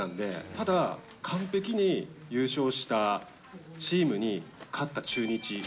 ただ、完璧に優勝したチームに勝った中日。